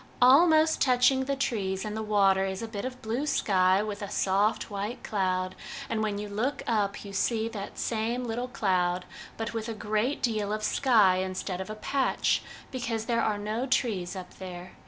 Almost touching the trees in the water is a bit of blue sky with a soft white cloud ; and when you look up you see that same little cloud, but with a great deal of sky instead of a patch, because there are no trees up there.